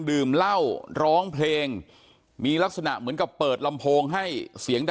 ดื่มเหล้าร้องเพลงมีลักษณะเหมือนกับเปิดลำโพงให้เสียงดัง